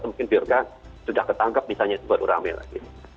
atau mungkin biarkan sudah ketangkap misalnya baru ramai lagi